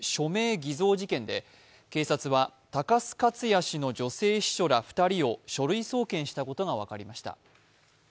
偽造事件で警察は高須克弥氏の女性秘書ら２人を書類送検したことが分かりました。